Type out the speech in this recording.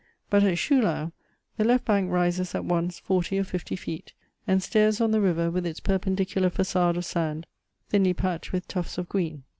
But at Schulau the left bank rises at once forty or fifty feet, and stares on the river with its perpendicular facade of sand, thinly patched with tufts of green.